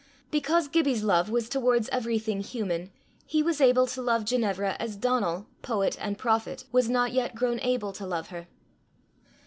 Because Gibbie's love was towards everything human, he was able to love Ginevra as Donal, poet and prophet, was not yet grown able to love her.